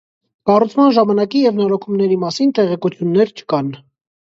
Կառուցման ժամանակի և նորոգումների մասին տեղեկություններ չկան։